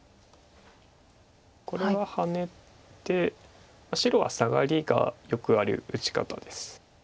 これはハネて白はサガリがよくある打ち方です。